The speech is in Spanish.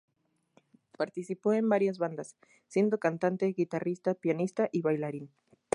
Participó en varias bandas, siendo cantante, guitarrista, pianista y bailarín.